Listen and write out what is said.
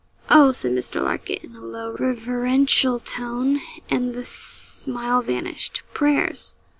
'Oh!' said Mr. Larkin, in a low, reverential tone, and the smile vanished; 'prayers!'